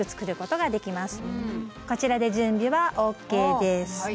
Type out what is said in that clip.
こちらで準備はＯＫです。